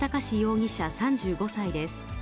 容疑者３５歳です。